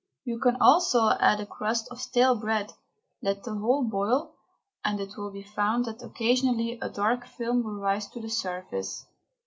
You can also add a crust of stale bread. Let the whole boil, and it will be found that occasionally a dark film will rise to the surface.